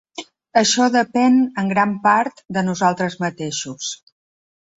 Això depèn en gran part de nosaltres mateixos.